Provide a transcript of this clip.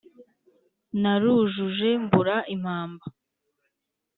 narujuje mbura impamba.